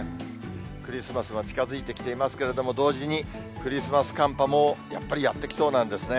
クリスマスも近づいてきていますけれども、同時に、クリスマス寒波もやっぱりやって来そうなんですね。